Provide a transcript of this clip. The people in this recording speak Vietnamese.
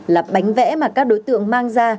là bánh vẽ mà các đối tượng mang ra